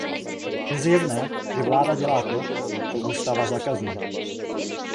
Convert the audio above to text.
Je zjevné, že vláda dělá to, co ústava zakazuje.